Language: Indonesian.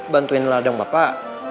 bantuin ladang bapak